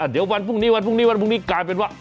เดี๋ยววันพรุ่งนี้วันพรุ่งนี้วันพรุ่งนี้กลายเป็นว่า